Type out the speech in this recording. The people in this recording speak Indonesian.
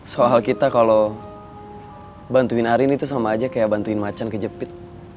soal kita kalo bantuin arin itu sama aja kayak bantuin macan ke jepit